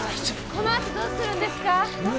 このあとどうするんですか？